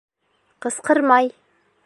Ҡысҡырмай!